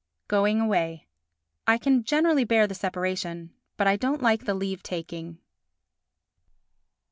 Going Away I can generally bear the separation, but I don't like the leave taking.